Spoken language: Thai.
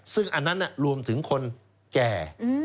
ซึ่งอันนั้นรวมถึงคนแก่